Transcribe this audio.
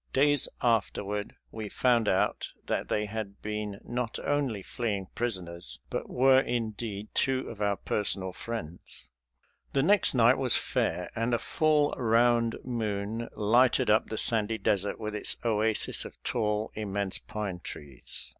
Days afterward we found out that they had been not only fleeing prisoners, but were, indeed, two of our personal friends. The next night was fair, and a full round moon lighted up the sandy desert with its oasis of tall, immense pine trees.